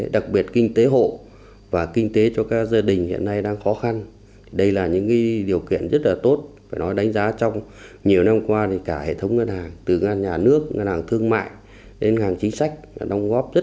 đặc biệt là so đói giảm nghèo cho nhân dân các dân tộc tỉnh bắc cạn